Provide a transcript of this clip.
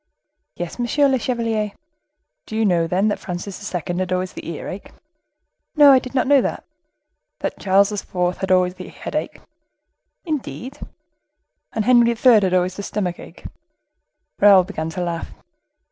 "Yes, monsieur le chevalier." "Do you know, then, that Francis II. had always the earache?" "No, I did not know that." "That Charles IV. had always the headache?" "Indeed!" "And Henry III. had always the stomach ache?" Raoul began to laugh.